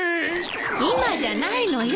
今じゃないのよ。